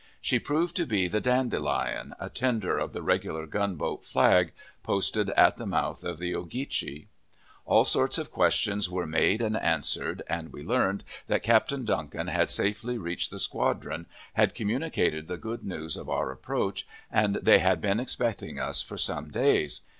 She proved to be the Dandelion, a tender of the regular gunboat Flag, posted at the mouth of the Ogeechee. All sorts of questions were made and answered, and we learned that Captain Duncan had safely reached the squadron, had communicated the good news of our approach, and they had been expecting us for some days.